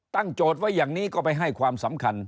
โจทย์ไว้อย่างนี้ก็ไปให้ความสำคัญ